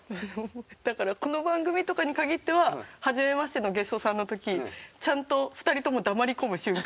だからこの番組とかに限ってははじめましてのゲストさんの時ちゃんと２人とも黙り込む瞬間が。